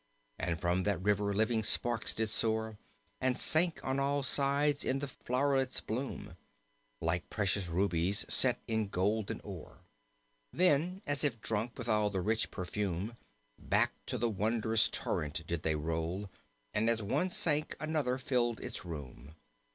And from that river living sparks did soar, And sank on all sides in the flow'rets' bloom, Like precious rubies set in golden ore. Then, as if drunk with all the rich perfume, Back to the wondrous torrent did they roll, And as one sank another filled its room."